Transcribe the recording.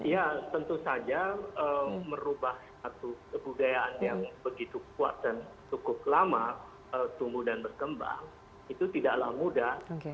ya tentu saja merubah satu kebudayaan yang begitu kuat dan cukup lama tumbuh dan berkembang itu tidaklah mudah